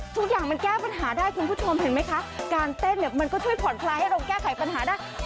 ทุกอย่างมันแก้ปัญหาได้คุณผู้ชมเห็นไหมคะการเต้นเนี่ยมันก็ช่วยผ่อนคลายให้เราแก้ไขปัญหาได้